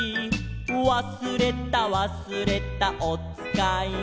「わすれたわすれたおつかいを」